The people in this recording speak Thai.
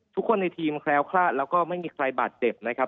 ทุกคนในทีมแคล้วคลาดแล้วก็ไม่มีใครบาดเจ็บนะครับ